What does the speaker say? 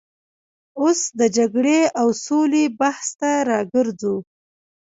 اوس د جګړې او سولې بحث ته راګرځو.